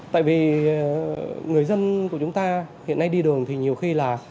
tại vì người dân của chúng ta hiện nay đi đường thì nhiều khi là